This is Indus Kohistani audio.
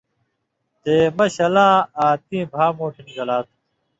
تے مہ شلاں آ تیں بھا مُوٹھِن گلا تُھو